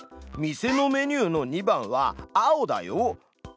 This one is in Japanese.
店のメニューの２番は青だよ。